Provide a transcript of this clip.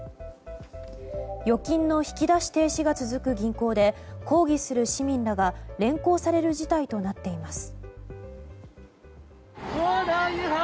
預金の引き出し停止が続く銀行で抗議する市民らが連行される事態となっています。